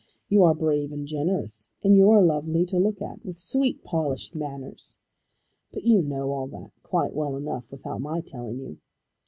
You are brave and generous, and you are lovely to look at, with sweetly polished manners; but you know all that quite well enough without my telling you.